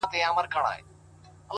كوټه ښېراوي هر ماښام كومه ـ